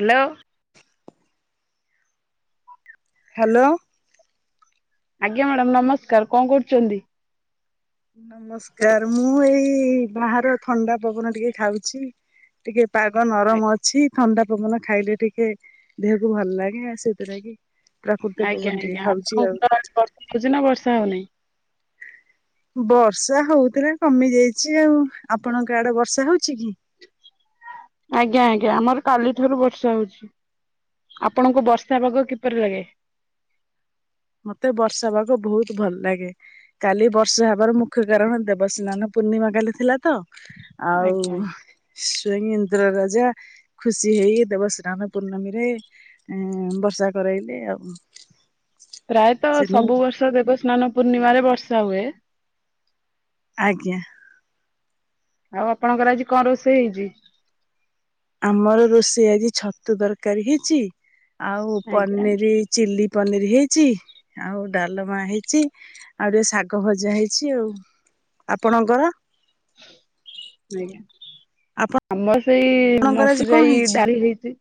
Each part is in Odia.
ହ୍ୟାଲୋ। ହ୍ୟାଲୋ। ଆଜ୍ଞା ମାଡାମ୍ ନମସ୍କାର କଁ କରୁଛନ୍ତି? ନମସ୍କାର ମୁଁ ଏଇ ବାହାର ଥଣ୍ଡା ପବନ ଟିକେ ଖାଉଛି। ଟିକେ ପାଗ ନରମ ଅଛି। ଥଣ୍ଡା ପବନ ଖାଇଲେ ଟିକେ ଦେହକୁ ଭଲ ଲାଗେ ଆଉ ସେଇଥିଲାଗି ଆଜ୍ଞା ଆଜ୍ଞା ଆପଣଙ୍କର ବର୍ଷା ହଉଛି ନା ବର୍ଷା ହଉ ନାଇଁ? ବର୍ଷା ହଉଥିଲା କମି ଯାଇଛି ଆଉ ଆପଣଙ୍କ ଆଡେ ବର୍ଷା ହଉଛି କି? ଆଜ୍ଞା ଆଜ୍ଞା ଆମର କାଲି ଠାରୁ ବର୍ଷା ହଉଛି। ଆପଣୁଙ୍କୁ ବର୍ଷା ପାଗ କିପରି ଲାଗେ? ମତେ ବର୍ଷା ପାଗ ଭୋଉତ ଭଲ ଲାଗେ। କାଲି ବର୍ଷା ହବାର ମୁଖ୍ୟ କାରଣ ଦେବସ୍ନାନ ପୂର୍ଣ୍ଣିମା କାଲି ଥିଲା ତ। ଆଉ ଆଜ୍ଞା ଆଜ୍ଞା ସ୍ୱୟଂ ଇନ୍ଦ୍ର ରାଜା ଖୁସି ହେଇକି ଦେବସ୍ନାନ ପୂର୍ଣ୍ଣମୀରେ ଏଁ ବର୍ଷା କରାଇଲେ ଆଉ। ପ୍ରାୟତଃ ସେଥିପାଇଁ ସବୁ ବର୍ଷ ଦେବସ୍ନାନ ପୂର୍ଣ୍ଣିମାରେ ବର୍ଷା ହୁଏ। ଆଜ୍ଞା। ଆଉ ଆପଣଙ୍କର ଆଜି କଁ ରୋଷେଇ ହେଇଚି? ଆମର ରୋଷେଇ ଆଜି ଛତୁ ତରକାରୀ ହେଇଚି ଆଉ ଆଜ୍ଞା ଆଜ୍ଞା ପନିରି ଚିଲ୍ଲି ପନିରି ହେଇଚି ଆଉ ଡାଲମା ହେଇଚି। ଆଉ ଟିକେ ଶାଗ ଭଜା ହେଇଛି ଆଉ ଆପଣଙ୍କର? ଆଜ୍ଞା। ଆମର ସେଇ ଆପଣଙ୍କର ଆଜି ମସୁର କଣ ଜାଇ ହେଇଛି? ଡାଲି ହେଇଚି।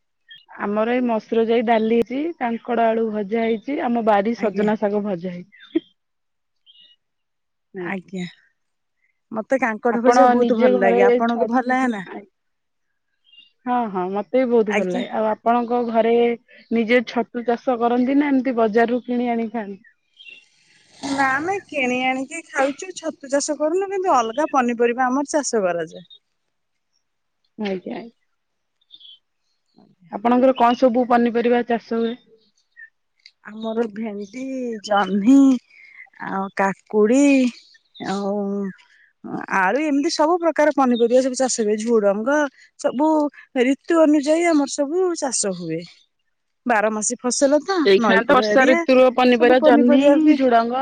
ଆମର ଏଇ ମସୁର ଜାଇ ଡାଲି ହେଇଚି କାଙ୍କଡ ଆଳୁ ଭଜା ହେଇଚି ଆମ ବାଡି ଆଜ୍ଞା ସଜନା ଶାଗ ଭଜା ହେଇ ଆଜ୍ଞା। ମତେ କାଙ୍କଡ ଆପଣ ଭଜା ଭୋଉତୁ ନିଜେ ଭଲ ଘରେ ଲାଗେ ଛ ଆପଣଙ୍କୁ ଭଲ ଲାଗେ ନା? ହଁ ହଁ ମତେ ବି ବୋହୁତୁ ଭଲ ଆଜ୍ଞା ଲାଗେ ଆଉ ଆ ପଣଙ୍କ ଘରେ ନିଜେ ଛତୁ ଚାଷ କରନ୍ତି ନା ଏମତି ବଜାରରୁ କିଣି ଆଣିକି ଖାଆନ୍ତି। ନା ଆମେ କିଣି ଆଣିକି ଖାଉଚୁ ଛତୁ ଚାଷ କରୁନୁ କିନ୍ତୁ ଅଲଗା ପନିପରିବା ଆମର ଚାଷ କରାଯାଏ। ଆଜ୍ଞା ଆଜ୍ଞା ଆପଣଙ୍କର କଁ ସବୁ ପନିପରିବା ଚାଷ ହୁଏ? ଆମର ଭେଣ୍ଡି ଜହ୍ନି ଆଉ କାକୁଡି ଆଉ ଉଁ ଆଳୁ ଏମିତି ସବୁ ପ୍ରକାର ପନିପରିବା ସବୁ ଚାଷ ହୁଏ ଝୁଡଙ୍କ ସବୁ ଋତୁ ଅନୁଯାୟୀ ଆମର ସବୁ ଚାଷ ହୁଏ ବାର ମାସୀ ଫସଲ ତ ଏଇଖିଣା ତ ନଈକୂଳ ବର୍ଷା ଏରିଆ ଋତୁ ସବୁ ପନିପରିବା ଜହ୍ନି ହୁଏ ଝୁଡଙ୍ଗ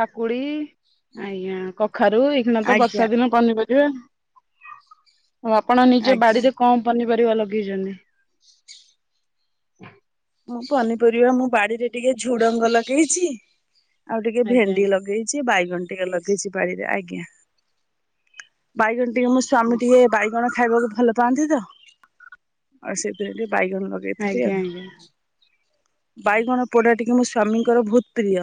କାକୁଡି ଆଜ୍ଞା କଖାରୁ ଏଇଖିଣା ତ ଆଜ୍ଞା ବର୍ଷା ଦିନ ପନିପରିବା ଆଉ ଆପଣ ନିଜ ଆଜ୍ଞା ବାଡିରେ କଣ ପନିପରିବା ଲଗେଇଚନ୍ତି? ମୁଁ ପନିପରିବା ମୁ ବାଡିରେ ଟିକେ ଝୁଡଙ୍ଗ ଲଗେଇଛି ଆଉ ଟିକେ ଆଜ୍ଞା ଭେଣ୍ଡି ଲଗେଇ ଚି ବାଇଗଣ ଟିକେ ଲଗେଇଚି ବାରିରେ ଆଜ୍ଞା ବାଇଗଣ ଟିକେ ମୋ ସ୍ଵାମୀ ଟିକେ ବାଇଗଣ ଖାଇବାକୁ ଭଲ ପାଆନ୍ତି ତ ଆଉ ସେଥିପାଇଁ ଟିକେ ବାଇଗଣ ଲ ଆଜ୍ଞା ଆଜ୍ଞା। ବାଇଗଣ ପୋଡା ଟିକେ ମୋ ସ୍ଵାମୀଙ୍କର ବୋହୁତ ପ୍ରିୟ।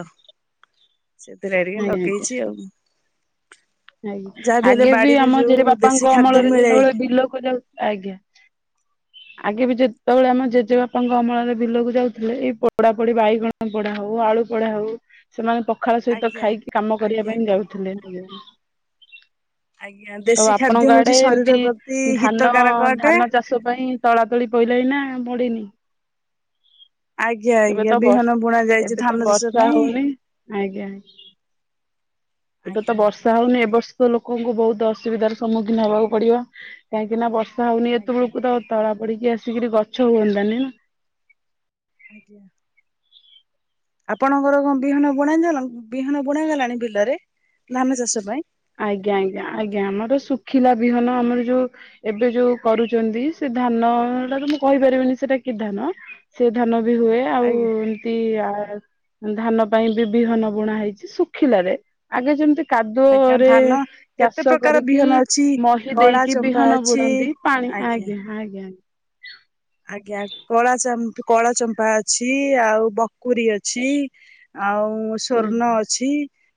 ସେଥିଲାଗି ଟିକେ ଆଜ୍ଞା ଆଜ୍ଞା ଲଗେଇଚି ଆଉ। ଆଜ୍ଞା ଯାହାବି ହେଲେ ଆଗେ ବି ବାଡିରୁ ଆମ ଯୋଉ ଦେଶୀ ଜେଜେବାପାଙ୍କ ଖାଦ୍ୟ ଅମଳାରେ ମିଳେ ଯେତେବେଳେ ବିଲକୁ ଯାଉ ଆଜ୍ଞା। [inaudible] ଆଗେ ବି ଯେତେବେଳେ ଆମ ଆଗେ ଯେତେ ଜେଜେବାପାଙ୍କ ଅମଳରେ ବିଲକୁ ଯାଉଥୁଲେ ଏ ପୋଡା ପୋଡି ବାଇଗଣ ପୋଡା ହୋଉ ଆଳୁ ପୋଡା ହୋଉ ସେମାନେ ପଖାଳ ସହିତ ଆଜ୍ଞା ଖାଇକି କାମ କରିବା ଆଜ୍ଞା। ପାଇଁ ଯାଉଥୁଲେ। ଆଜ୍ଞା। ତ ଦେଶୀ ଖାଦ୍ୟ ଆପଣଙ୍କ ହଉଛି ଆଡେ ଶରୀର ଏମତି ପ୍ରତି ଧାନ ହିତକାରକ ଅଟେ। ଧାନ ଚାଷ୍ ଚାଷ ପାଇଁ ତଳା ତୁଳି ପଇଲାଣିି ନା ପଡିନି? ଆଜ୍ଞା ଏବେ ଆଜ୍ଞା ତ ବର୍ଷ୍ ବିହନ ବୁଣା ଯାଇଛି ଏବେ ଧାନ ତ ଚାଷ ବର୍ଷା ପାଇଁ ହୋଉନି ଆଜ୍ଞା। ଏବେ ତ ଆଜ୍ଞା ବର୍ଷ୍ ର୍ଷା ହୋଉନି ଏବ ବର୍ଷ ଲୋକଙ୍କୁ ବୋହୁତ ଅସୁବିଧାର ସମ୍ମୁଖୀନ ହବାକୁ ପଡିବ କାହିଁକି ନା ବର୍ଷ୍ ର୍ଷା ହୋଉନି ଆଜ୍ଞା ଏତବେଳକୁ ତ ତଳା ପଡିକି ଆସିକିରି ଗଛ ହୁଅନ୍ତା ନି ନା। ଆଜ୍ଞା। ଆପଣଙ୍କର କଣ ବିହନ ବୁଣା ହେଇସାଲନ ବିହନ ବୁଣାଗଲାଣି ବିଲରେ ଧାନ ଚାଷ ପାଇଁ? ଆଜ୍ଞା ଆଜ୍ଞା ଆଜ୍ଞା ଆମର ଶୁଖିଲା ବିହନ ଆମର ଯୋଉ ଏବେ ଯୋଉ କରୁଚନ୍ତି ସେ ଧାନଟା ତ ମୁଁ କହିପାରିବିନି ସେଟା କି ଧାନ ସେ ଧାନ ବି ହୁଏ ଆଉ ଆଜ୍ଞା। ଏମ ତି ଆ ଧାନ ପାଇଁ ବି ବିହନ ବୁଣା ହେଇଚି ଶୁଖିଲାରେ ଆଗେ ଯେମତି କାଦୁଅ ଆଜ୍ଞା ରେ ଧାନ କେତେ ଚାଷ ପ୍ରକାର କରିକି ବିହନ ଅଛି ମହି କଳା ଦେଇକି ଚମ୍ପା ବିହନ ଅଛି ବୁଣନ୍ତି ପାଣି ଆଜ୍ଞା। ଆଜ୍ଞା ଆ ଆଜ୍ଞା କଳା ଚାମ୍ପ୍ କଳା ଚମ୍ପା ଅଛି ଆଉ ବକୁରି ଅଛି। ଆଉ ସ୍ଵର୍ଣ୍ଣ ଅଛି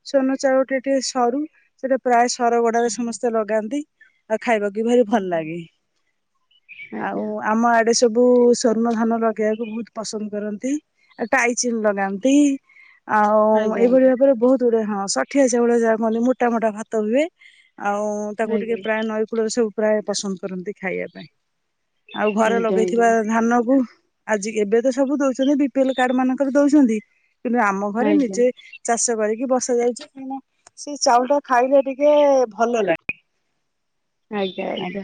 ସ୍ଵର୍ଣ୍ଣ ଚାଉଳଟା ଟିକେ ସରୁ। ସେଟା ପ୍ରାୟେ ସରଗଡାରେ ସମସ୍ତେ ଲଗାନ୍ତି। ଆଉ ଖାଇବାକୁ ଭାରି ଭଲ ଲାଗେ ଆଜ୍ଞା ଆଉ ଆଜ୍ଞା ଆମ ଆ ଡେ ସବୁ ସ୍ଵର୍ଣ୍ଣ ଧାନ ଲଗେଇବାକୁ ବୋହୁତ ପସନ୍ଦ କରନ୍ତି। ଆଉ ଟାଇଚିନ୍ ଲଗାନ୍ତି ଆଉ ଆଜ୍ଞା ଆଜ୍ଞା ଏଇଭଳି ଭାବରେ ବୋହୁତ ଗୁଡେ ହଁ ଷଠିଆ ଚାଉଳ ଯାହାକୁ କହନ୍ତି ମୋଟା ମୋଟା ଭାତ ହୁଏ ଆଉ ତାକୁ ଟିକେ ଆଜ୍ଞା ପ୍ରାୟ ନଈକୂଳରେ ସବୁ ପ୍ରାୟେ ପସନ୍ଦ କରନ୍ତି ଖାଇବା ପାଇଁ ଆଉ ଘର ଲୋ ଆଜ୍ଞା ଆଜ୍ଞା ଧାନକୁ ଆଜି ଏବେ ତ ସବୁ ଦୋଉଛନ୍ତି ବି-ପି-ଏଲ କାର୍ଡ ମାନଙ୍କର ଦୋଉଛନ୍ତି କିନ୍ତୁ ଆମ ଘରେ ଆଜ୍ଞା ନିଜେ ଚାଷ କରିକି ବସା ଯାଉଚି କାହିଁକିନା ସେ ଚାଉଳଟା ଖାଇଲେ ଟିକେ ଭଲ ଲା ଆଜ୍ଞା ଆଜ୍ଞା।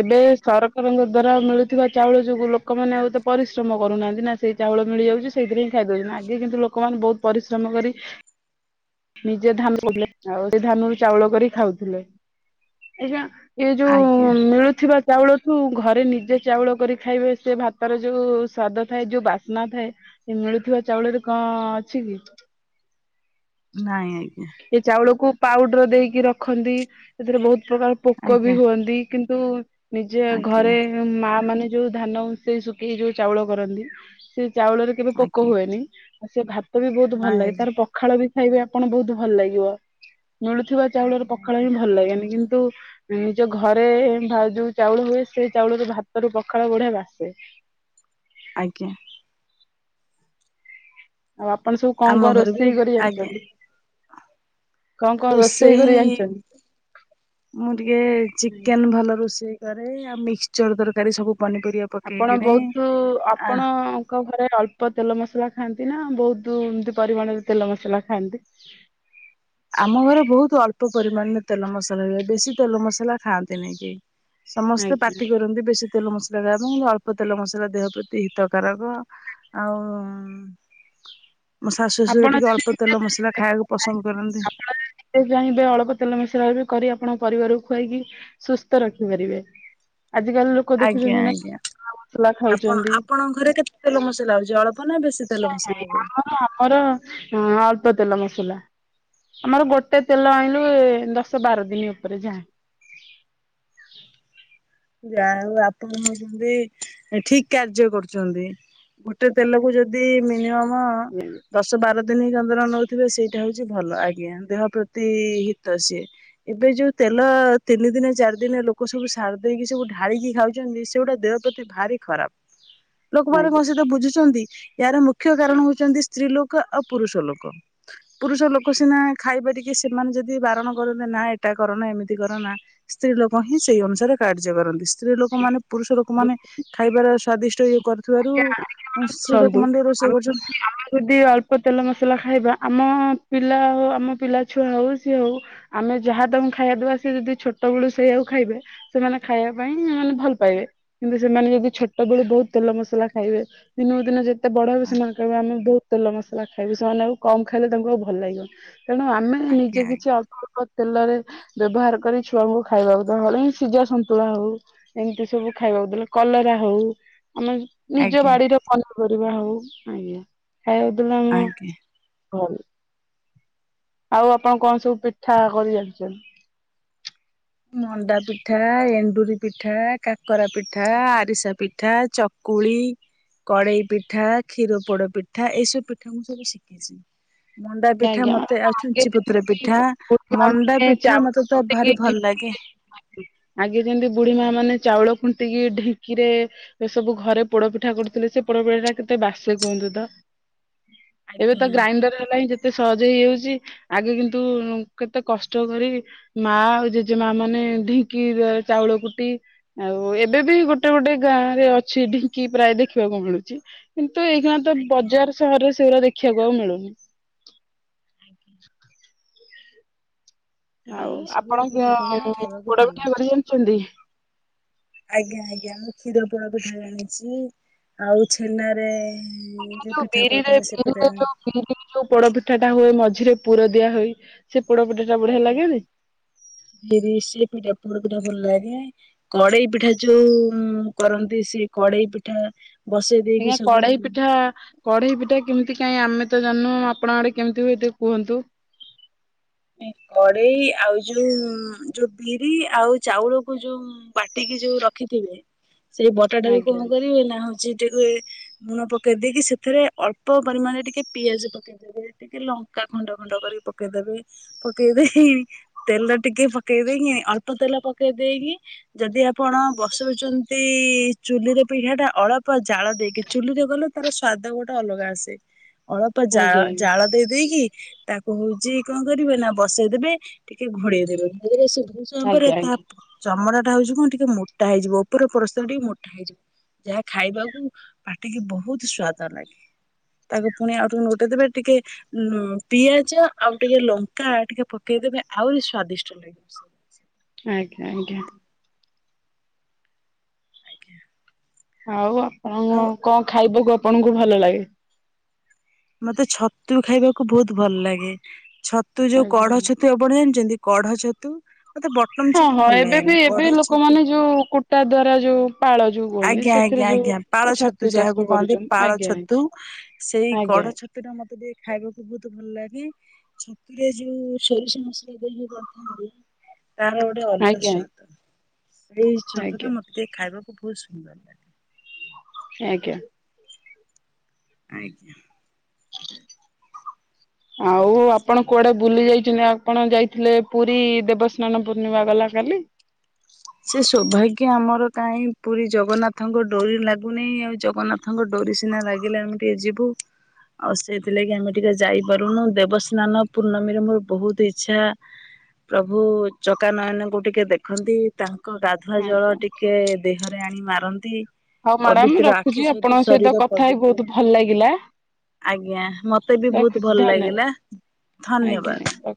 ଏବେ ସରକାରଙ୍କ ଦ୍ଵାରା ମିଳୁଥିବା ଚାଉଳ ଯୋଗୁ ଲୋକମାନେ ଆଉ ଏତେ ପରିଶ୍ରମ କରୁନାହାନ୍ତି ନା ସେଇ ଚାଉଳ ମିଳିଯାଉଚି ସେଇଥିରେ ହିଁ ଖାଇ ଦୋଉଚନ୍ତି ଆଗେ କିନ୍ତୁ ଲୋକମାନେ ବୋହୁତ ପରିଶ୍ରମ କରି ନିଜେ ଧାନ ସେ ଧାନରୁ ଚାଉଳ କରି ଖାଉଥିଲେ ଆ୍ଞା। ଏ ଯୋଉ ଆଜ୍ଞା ମିଳୁଥିବା ଚାଉଳଠୁ ଘରେ ନିଜେ ଚାଉଳ କରି ଖାଇବେ ସେ ଭାତର ଯୋଉ ସ୍ୱାଦ ଥାଏ ଯୋଉ ବାସ୍ନା ଥାଏ। ମିଳୁଥିବା ଚାଉଳରେ କଣ ଅଛି କି। ନାଇଁ ଆଜ୍ଞା। ଏ ଚାଉଳକୁ ପାଉଡର ଦେଇକି ରଖନ୍ତି ସେଥିରେ ବହୁତ ପ୍ରକାର ପୋକ ବି ଆଜ୍ଞା ହୁଅନ୍ତି। କିନ୍ତୁ ନିଜେ ଆଜ୍ଞା ଘରେ ମା ମାନେ ଯୋଉ ଧାନ ଵସେଇ ଶୁଖେଇ ଯୋଉ ଚାଉଳ କରନ୍ତି ସେ ଚାଉଳରେ କେବେ ପୋକ ଆଜ୍ଞା। ହୁଏନି ଆଉ ସେ ଭାତ ବି ବହୁତ ଭଲ ଲାଗେ ନାଇଁ ତାର ପଖାଳ ବି ଖାଇବେ ଆପଣ ବହୁତ ଭଲ ଲାଗିବ ମିଳୁଥିବା ଆଜ୍ଞା ଚାଉଳର ଆଜ୍ଞା ପଖାଳ ହିଁ ଆଜ୍ଞା ଭଲ ଲାଗେନି କିନ୍ତୁ ନିଜ ଘରେ ଆ ଯୋଉ ଚାଉଳ ହୁଏ ସେ ଚାଉଳରେ ଭାତ ରୁ ପଖାଳ ବଢିଆ ବାସେ। ଆଜ୍ଞା। ଆଉ ଆପଣ ସବୁ କଣ ଆମ କଣ ଘରେ ବି ରୋଷେଇ ଆଜ୍ଞା କରିଜାଣିଛନ୍ତି। ରୋଷେଇ ଜାଣିଛନ୍ତି? ମୁଁ ଟିକେ ଚିକେନ ଭଲ ରୋଷେଇ କ ରେ ମିକ୍ସଚର ତରକାରୀ ସବୁ ପନିପରିବା ଆପଣ ପକେଇକିରି ବହୁତ ଆ ଆପଣ ତାଙ୍କ ଘରେ ଅଳ୍ପ ତେଲ ମସଲା ଖାଆନ୍ତି ନା ବହୁତ ଏମିତି ପରିମାଣରେ ତେଲ ମସଲା ଖାଆନ୍ତି। ଆମ ଘରେ ବହୁତ ଅଳ୍ପ ପରିମାଣରେ ତେଲ ମସଲା ହୁଏ ବେଶୀ ତେଲ ମସଲା ଖାଆନ୍ତି ନାଇ କି। ସମସ୍ତେ ଆଜ୍ଞା ପାଟି କରନ୍ତି ବେଶୀ ତେଲ ମସ୍ ଏବଂ ଅଳ୍ପ ତେଲ ମସଲା ଦେହ ପ୍ରତି ହିତକାରକ ଆଉ। ମୋ ଶାଶୁ ଶ୍ଶୁର ଆପଣ ଟିକେ ଯଦି ଅଳ୍ପ ତେଲ ମସଲା ଖାଇବାକୁ ପସନ୍ଦ କରନ୍ତି। ଯାଇଁବେ ଅଳପ ତେଲ ମିଶ୍ରା ଏବେ କରି ଆପଣଙ୍କ ପରିବାରକୁ ଖୁଆଇକି ସୁସ୍ଥ ରଖିପାରିବେ ଆଜିକାଲି ଲୋକ ଆଜ୍ଞା ଦେଖୁଛନ୍ତି ନା ଆଜ୍ଞା। ତେଲ ମସଲା ଆପଣ ଖାଉଛନ୍ତି ଆପଣଙ୍କ ଘରେ କେତେ ତେଲ ମସଲା ହଉଛି ଅଳ୍ପ ନା ବେଶୀ ତେଲ ମସଲା ହୁଏ। ହଁ ଆମର ଅଳ୍ପ ତେଲ ମସଲା। ଆମର ଗୋଟେ ତେଲ ଆଣିଲୁ ଦଶ ବାର ଦିନ ଉପରେ ଯାଏ। ଯାହା ହଉ ଆପଣ ହଉଛନ୍ତି ଠିକ କାର୍ଯ୍ୟ କରୁଛନ୍ତି। ଗୋଟେ ତେଲକୁ ଯଦି ମିନିମମ। ଆଜ୍ଞା ଦଶ ବାର ଦିନ କଁ ତ ର ନଉଥିବେ ସେଇଟା ହଉଛି ଭଲ ଆଜ୍ଞା ଦେହ ପ୍ରତି ହିତ ସିଏ। ଏବେ ଯୋଉ ତେଲ ତିନି ଦିନ ଚାରି ଦିନ ଲୋକ ସବୁ ସାର ଦେଇକି ସବୁ ଢାଳିକି ଖାଉଛନ୍ତି ସେଗୁଟା ଦେହ ପ୍ରତି ଭାରି ଖରାପ ଲୋକମାନେ ଆଜ୍ଞା। କୌଣସି ବୁଝୁଛନ୍ତି ଏହାର ମୁଖ୍ୟ କାରଣ ହଉଛନ୍ତି ସ୍ତ୍ରୀ ଲୋକ ଆଉ ପୁରୁଷ ଲୋକ। ପୁରୁଷ ଲୋକ ସିନା ଖାଇପାରିକି ସେମାନେ ଯଦି ବାରଣ କରନ୍ତେ ନା ଏଟା କରନ ଏମିତି କର ନା। ସ୍ତ୍ରୀ ଲୋକ ହିଁ ସେଇ ଅନୁସାରେ କାଯ୍ୟ ପାରନ୍ତି ସ୍ତ୍ରୀ ଲୋକମାନେ ପୁରୁଷ ଲୋକ ମାନେ ଖାଇବାର ସ୍ଵାଦିଷ୍ଟ ଇ ଥିବାରୁ ଶ୍ରୀ ଶୁଣନ୍ତୁ ଲୋକ ମଣ୍ଡଳ ଆମେ ରୋଷେଇ କରୁଛନ୍ତି। [unintelligible] ଅଳ୍ପ ତେଲ ମସଲା ଖାଇବା ଆମ ପିଲା ହଉ ଆମ ପିଲା ଛୁଆ ହଉ ସିଏ ହଉ। ଆମେ ଯାହା ତମେ ଖାଇବା ଦବା ସଏ ଯଦି ଛୋଟ ବେଳୁ ସେଇଆକୁ ଖାଇବେ ସେମାନେ ଖାଇବା ପାଇଁ ସେମାନେ ଭଲ ପାଇବେ କିନ୍ତୁ ସେମାନେ ଯଦି ଛୋ ଟ ବେଳେ ବହୁତ ଆଜ୍ଞା ତେ ମସଲା ଖାଇବେ ଦିନକୁ ଦିନ ଯେତେ ବଡ ହେବେ ସେମାନେ କହ ଆମେ ବହୁ ତେଲ ମସଲା ଖାଇବି ସେମାନେ ଆଉ କମ ଖାଇଲେ ତାଙ୍କୁ ଆଉ ଭଲ ଲାଗିବ ତେଣୁ ଆମେ ନିଜେ ଆଜ୍ଞା କିଛି ଅଳ୍ପ ଅଳ୍ପ ତେଲରେ ବ୍ୟବହାର କରି ଛୁଆଙ୍କୁ ଖାଇବାକୁ ଦଲେ ହିଁ ସିଝା ସନ୍ତୁଳା ହଉ। ଏମିତି ସବୁ ଖାଇବାକୁ ଦେଲେ କଲରା ହଉ ଆମେ ନିଜ ଆଜ୍ଞା ବାଡିରେ ପନିପରିବା ହଉ ଆଜ୍ଞା ଖାଇବାକୁଦେଲେ ଆମ ଆଜ୍ଞା। ହଁ। ଆଉ ଆପଣ କଣ ସବୁ ପିଠା କରି ଯାଣିଛନ୍ତି? ମଣ୍ଡା ପିଠା ଏଣ୍ଡୁରି ପିଠା କାକରା ପିଠା ଆରିସା ପିଠା ଚକ୍ କୁଳି କଡେଇ ପିଠା, କ୍ଷୀର ପୋଡ ପିଠା ଏଇସବୁ ପିଠା ମୁଁ ସବୁ ଶିଖ୍ ଛି। ମଣ୍ଡା ପିଠା ଆଜ୍ଞା ମତେ ଆଉ ଆଗେ ଛୁଞ୍ଚିପତ୍ର ପିଠା ବୁଢୀ ମା ମଣ୍ଡା ମାନେ ପିଠା ଚାଉଳ ମତେ ତ ଭାରି ଭଲ ଫୁଣ୍ଟିକି ଲାଗେ। ଆଗେ ଯେମିତି ବୁଢୀ ମା ମାନେ ଚାଉଳ ଖୁଣ୍ଟିକି ଢିଙ୍କିରେ ଏ ସବୁ ଘରେ ପୋଡପିଠା କରୁଥିଲେ ସେ ପୋଡପିଠା ଟା କେତେ ବାସେ କୁହନ୍ତୁ ତ। ଏବେ ଆଜ୍ଞା ତ ଗ୍ରାଇଣ୍ଡର ହେଲାଣି ଯେତେ ସହଜ ହେଇଯାଉଛି ଆଗେ କିନ୍ତୁ କେତେ କଷ୍ଟ କରିକି ମା ଆଉ ଜେଜେମା ମାନେ ଢିଙ୍କିରେ ଚାଉଳ କୁଟି ଆଉ ଏବେ ବି ଗୋଟେ ଗୋଟେ ଗାଁ ରେ ଅଛି ଢିଙ୍କି ପ୍ରାୟ ଦେଖିବାକୁ ମିଳୁଛି। କିନ୍ତୁ ଏଇଖିଣା ତ ଆଜ୍ଞା ବଜାର ଆଜ୍ଞା ସାହରରେ ସେଗୁଡା ଦେଖିବାକୁ ଆଉ ମିଳୁନି। [unintelligible] ଆଜ୍ଞା। ଆଉ ଏଇ ସବୁ ଆପଣ ପିଠାପଣା ଖାଇବାକୁ ପୋଡା ଭଲ ଲାଗେ। ପିଠା କରି ଜାଣିଛନ୍ତି? ଆଜ୍ଞା ଆଜ୍ଞା ମୁଁ କ୍ଷୀର ପୋଡ ପିଠା ଜାଣିଛି ଆଉ ଛେନା ରେ ଯୋଉ ବିରିରେ ବିରିରେ ଯୋଉ ଦି ଦି ଯୋଉ ପୋଡପିଠା ଟା ହୁଏ ମଝିରେ ପୁର ଦିଆ ହୋଇ ସେ ପୋଡପିଠା ଆଜ୍ଞା [unintelligible] ପୂଜା ପୋଡପିଠା ଭଲ ଲାଗେ। କଡେଇ ପିଠା ଯୋଉ କରନ୍ତି ସେଇ କଡେଇ ପିଠା ବସେଇ ଦେଇକି ଆଜ୍ଞା କଡେଇ ସବୁ ପିଠା କଢେଇ ପିଠା କେମିତି କାଇଁ ଆମେ ତ ଜାଣିନୁ ଆପଣଙ୍କ ଆଡେ କେମିତି ହୁଏ ଟିକେ କୁହନ୍ତୁ। ଏଁ କଡେଇ ଆଉ ଯୋଉ ଯୋଉ ବିରି ଆଉ ଚାଉଳକୁ ଯୋଉ ବାଟିକି ଯୋଉ ରଖିଥିବେ ସେ ବଟାଟାକୁ ଆଜ୍ଞା କଣ କରିବେ ନା ହୋଉଛି ଟିରୁଏ ଲୁଣ ପକେଇ ଦେଇକି ସେଥିରେ ଅଳ୍ପ ପରିମାଣରେ ଟିକେ ପିଆଜ ପକେଇ ଦେବେ ଟିକେ ଲଙ୍କା ଖଣ୍ଡ ଖଣ୍ଡ କରିକି ପକେଇଦେବେ। ପକେଇ ଦେହିଁ ତେଲ ଟିକେ ପକେଇ ଦେଇକି ଅଳ୍ପ ତେଲ ପକେଇ ଦେଇକି ଯଦି ଆପଣ ବସଉଛନ୍ତି ଚୁଲିରେ ପିଢ଼ା ଟା ଅଳପ କ ଜାଳ ଦେଇକି ଚୁଲିରେ କଲେ ତାର ସ୍ଵାଦ ଗୋଟେ ଅଲଗା ଆସେ। ଅଳ୍ପ ଜା ଆଜ୍ଞା ଜାଳ ଆଜ୍ଞା ଦେ ଦେଇକି ତାକୁ ହଉଛି କଣ କରିବେ ନା ବସେଇ ଦେବେ ଟିକେ ଘୋଡେଇ ଦେବେ ମୋର ସି କିଛି ସମୟ ଆଜ୍ଞା ପରେ ତା ଆଜ୍ଞା। ଚମଡ଼ା ଟା ହଉଛି କଣ ଟିକେ ମୋଟା ହେଇଯିବ ଉପର ପରସ୍ତ ଟିକେ ମୋଟା ହେଇଯିବ। ଏହା ଖାଇବାକୁ ପାଟିକି ବହୁତ୍ ସ୍ଵାଦ ଲାଗେ। ତାକୁ ପୁଣି ଆଉଟିକେ ନୋଉଟେଇ ଦେବେ ଟିକେ ପିଆଜ ଆଉ ଟିକେ ଲଙ୍କା ଟିକେ ପକେଇଦେବେ ଆହୁରି ସ୍ଵାଦିଷ୍ଟ ଲାଗିବ। ଆଜ୍ଞା ଆଜ୍ଞା। ଆଜ୍ଞା ଆଉ ଆଉ ଆପଣଙ୍କୁ କଣ ଖାଇବାକୁ ଆପଣଙ୍କୁ ଭଲ ଲାଗେ? ମତେ ଛତୁ ଖାଇବାକୁ ବହୁତ ଭଲ ଲାଗେ ଛତୁ ଯୋଉ ଆଜ୍ଞା। କଢ ଛତୁ ଆ ଆପଣ ଜାଣିଚନ୍ତି କଢ ଛତୁ? ମତେ ବଟମ ହଁ ଛତୁ ହଁ ଭଲ ଏବେ ବି ଲାଗେନି ଏବେ କଢ ଛତୁ ଲୋକମାନେ ଯୋଉ କୁଟା ଦ୍ଵାରା ଯୋଉ ପାଳ ଯୋଉ କୁହନ୍ତି ଆଜ୍ଞା ସେଥିରେ ଆଜ୍ଞା ଯୋଉ ଆଜ୍ଞା। ପାଳ ଛତୁ ଯାହାକୁ ଚାଷ କହନ୍ତି କରୁଛନ୍ତି ପାଳ ଆଜ୍ଞା ଛତୁ ସେଇ ଆଜ୍ଞା କଢ ଛତ୍ ତୁଟା ମତେ ଟିକେ ଖାଇବାକୁ ବହୁତ ଭଲ ଲାଗେ। ଛତୁରେ ଯୋଉ ସୋରିଷ ମସଲା ଦେଇ ଯୋଉ ରାନ୍ଧନ୍ତି ତାର ର ଅଲଗା ଆଜ୍ଞା ସ୍ଵାଦ। ସେଇ ଆଜ୍ଞା ଛତୁ ଟା ମତେ ଖାଇବାକୁ ବହୁତ ସୁନ୍ଦର ଲାଗେ। ଆଜ୍ଞା। ଆଜ୍ଞା। ହ [unintelligible] ଆଉ ଆପଣ କୁଆଡେ ବୁଲି ଯାଇଛନ୍ତୀ ଆଉ ଆପଣ ଯାଇଥିଲେ ପୁରୀ ଦେବସ୍ନାନ ପୂର୍ଣ୍ଣିମା ଗଲା କାଲି। ସେ ସୌଭାଗ୍ୟ ଆମର କାହିଁ ପୁରୀ ଜଗନ୍ନାଥଙ୍କ ଡୋରି ଲାଗୁନି ଆଉ ଜଗନ୍ନା ନାଥ ଙ୍କ ଡୋରି ସିନା ଲାଗିଲେ ଆମେ ଟିକେ ଯିବୁ। ଆଉ ସେଇଥି ଲାଗି ଆମେ ଟିକେ ଯାଇପାରୁନୁ ଦେବସ୍ନାନ ପୂର୍ଣ୍ଣମୀରେ ମୋର ବହୁତ ଇଚ୍ଛା ପ୍ରଭୁ ଚକା ନୟନକୁ ଟିକେ ଦେଖନ୍ତି। ତାଙ୍କ ଗାଧୁଆ ଜଳ ଆଜ୍ଞା ଟିକେ ଦେହରେ ଆଣି ମାରନ୍ତି। ହଉ ମ୍ୟାଡାମ ପବିତ୍ର ରଖୁଛି ଆଖି ସହିତ ଆପଣଙ୍କ ଶରୀର କଥା ହେଇ ପବିତ୍ର ବହୁତ ଭଲ ଲାଗିଲା ଆଜ୍ଞା ମତେ ବି ବହୁତ ରଖୁଛି ଭଲ ଧନ୍ୟବାଦ ଲାଗିଲା ଆଜ୍ଞା ଧନ୍ୟବାଦ। ଆଜ୍ଞା ରଖ